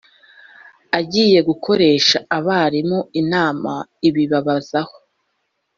agiye gukoresha abarimu inama ibibabazaho